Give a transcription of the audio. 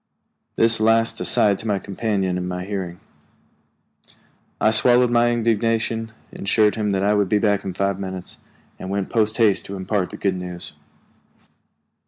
This last aside to a companion, in my hearing. I swallowed my indignation, assured him that I would be back in five minutes, and went post haste to impart the good news.